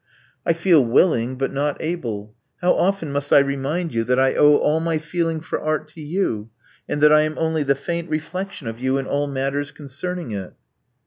I feel willing, but not able. How often must I remind you that I owe all my feeling for art to you, and that I am only the faint reflexion of you in all matters concerning it?"